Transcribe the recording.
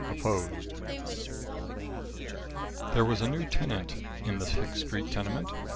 OPPOSED There was a new tenant in the Hicks Street tenement.